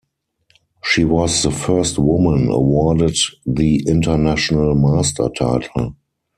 She was the first woman awarded the International Master title.